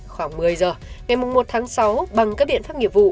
khoảng một mươi giờ ngày một tháng sáu bằng các biện pháp nghiệp vụ